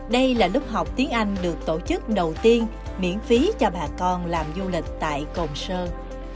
đây là lớp học tiếng anh được tổ chức đầu tiên miễn phí cho bà con làm du lịch tại cồn sơn